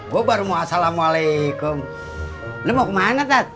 gua baru mau assalamualaikum lu mau kemana tat